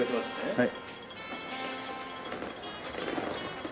はい。